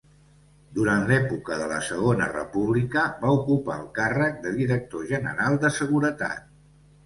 Durant l'època de la Segona República va ocupar el càrrec de Director general de Seguretat.